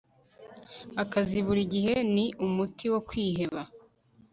akazi buri gihe ni umuti wo kwiheba